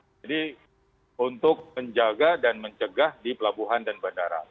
jadi untuk menjaga dan mencegah di pelabuhan dan bandara